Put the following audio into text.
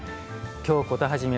「京コトはじめ」